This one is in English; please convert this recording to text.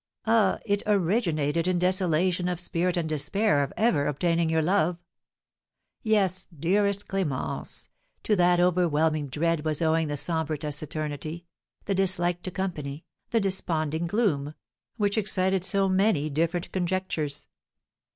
Ah, it originated in desolation of spirit and despair of ever obtaining your love. Yes, dearest Clémence, to that overwhelming dread was owing the sombre taciturnity, the dislike to company, the desponding gloom, which excited so many different conjectures.